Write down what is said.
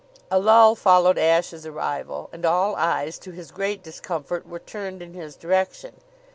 A lull followed Ashe's arrival and all eyes, to his great discomfort, were turned in his direction.